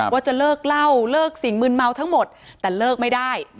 ว่าจะเลิกเล่าเลิกสิ่งมืนเมาทั้งหมดแต่เลิกไม่ได้